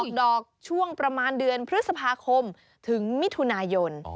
ดอกช่วงประมาณเดือนพฤษภาคมถึงมิถุนายน